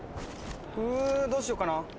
うどうしようかな。